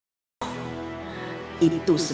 kamu benar benarailandasi akan terhihadi